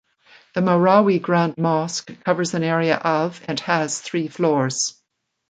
The Marawi Grand Mosque covers an area of and has three floors.